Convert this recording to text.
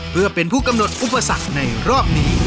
เพื่อเป็นผู้กำหนดอุปสรรคในรอบนี้